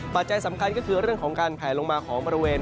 ปัจจัยสำคัญก็คือเรื่องของการแผลลงมาของบริเวณ